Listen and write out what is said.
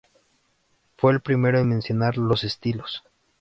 Fue el primero en mencionar los estilos".